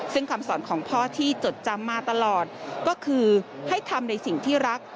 ซึ่งคำสอนของพ่อที่จดจำมาตลอดก็คือให้ทำในสิ่งที่รัก